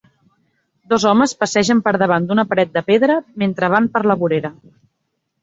Dos homes passegen per davant d'una paret de pedra, mentre van per la vorera.